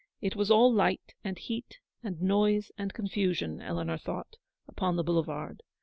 It was all light, and heat, and noise, and confusion, Eleanor thought, upon the boulevard.